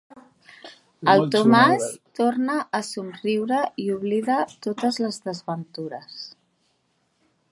El Tomàs torna a somriure i oblida totes les desventures.